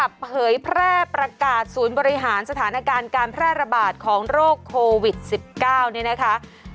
เผยแพร่ประกาศศูนย์บริหารสถานการณ์การแพร่ระบาดของโรคโควิด๑๙เนี่ยนะคะ